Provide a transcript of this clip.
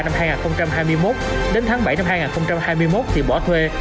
đến tháng bảy năm hai nghìn hai mươi một thì bỏ thuê